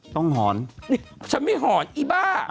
ต้องหอนฉันไม่หอนอีบ้า